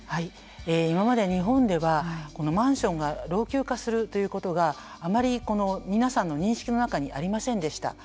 今まで日本ではマンションが老朽化するということがあまり皆さんの認識の中にありませんでした。